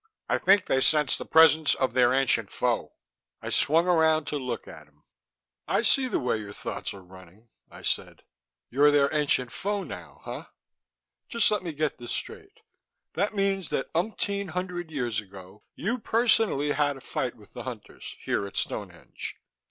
"I think they sensed the presence of their ancient foe." I swung around to look at him. "I see the way your thoughts are running," I said. "You're their Ancient Foe, now, huh? Just let me get this straight: that means that umpteen hundred years ago, you personally had a fight with the Hunters here at Stonehenge.